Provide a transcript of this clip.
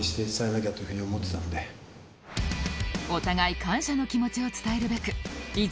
お互い感謝の気持ちを伝えるべくいざ